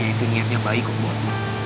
yaitu niatnya baik untuk